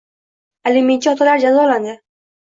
Alimentchi otalar jozalanding